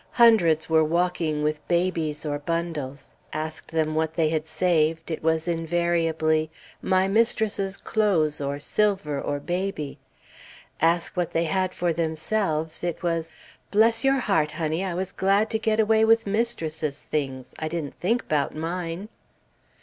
Hundreds were walking with babies or bundles; ask them what they had saved, it was invariably, "My mistress's clothes, or silver, or baby." Ask what they had for themselves, it was, "Bless your heart, honey, I was glad to get away with mistress's things; I didn't think 'bout mine."